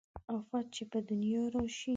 افت چې په دنيا راشي